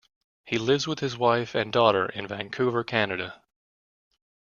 He lives with his wife and daughter in Vancouver, Canada.